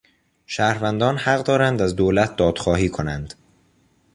شهروندان حق دارند از دولت دادخواهی کنند.